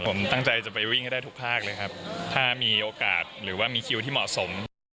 ผมตั้งใจจะไปวิ่งให้ได้ทุกภาคเลยครับถ้ามีโอกาสหรือว่ามีคิวที่เหมาะสม